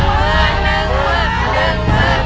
๑วัน๑วัน๑วัน๑วัน๑วัน